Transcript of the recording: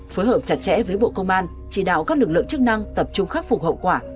phối hợp chặt chẽ với bộ công an chỉ đạo các lực lượng chức năng tập trung khắc phục hậu quả